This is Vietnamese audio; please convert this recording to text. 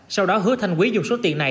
sau đó hứa thanh quý dùng số tiền này